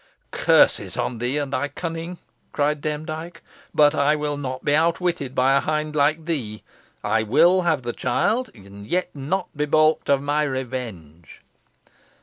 "Curses on thee and thy cunning," cried Demdike; "but I will not be outwitted by a hind like thee. I will have the child, and yet not be baulked of my revenge."